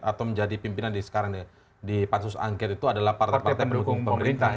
atau menjadi pimpinan di sekarang ya di pansus angket itu adalah partai partai pendukung pemerintah